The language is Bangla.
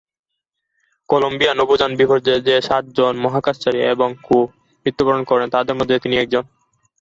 কলম্বিয়া নভোযান বিপর্যয়ে যে সাতজন মহাকাশচারী এবং ক্রু মৃত্যুবরণ করেন তাদের মধ্যে তিনি একজন।